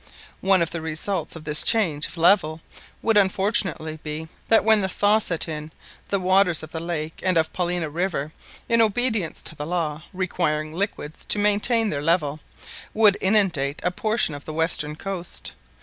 One of the results of this change of level would unfortunately be, that when the thaw set in, the waters of the lake and of Paulina river, in obedience to the law, requiring liquids to maintain their level, would inundate a portion of the western coast.